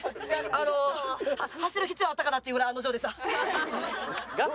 あの走る必要あったかなっていうぐらい案の定でした。